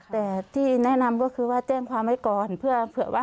แต่ที่แนะนำก็คือว่าแจ้งความไว้ก่อนเผื่อว่า